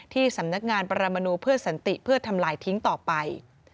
ที่สำนักงานปรมนูเพื่อสันติเพื่อทำลายทิ้งต่อไป